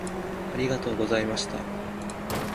ありがとうございました。